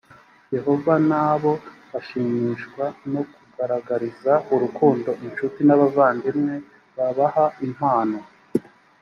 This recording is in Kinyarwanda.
yehova na bo bashimishwa no kugaragariza urukundo incuti n abavandimwe babaha impano